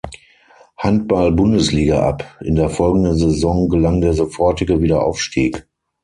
Handball-Bundesliga ab, in der folgenden Saison gelang der sofortige Wiederaufstieg.